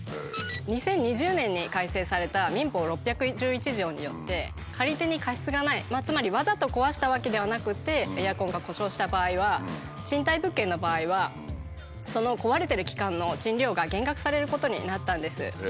２０２０年に改正された民法６１１条によって借り手に過失がないつまりわざと壊したわけではなくてエアコンが故障した場合は賃貸物件の場合はその壊れてる期間の賃料が減額されることになったんです。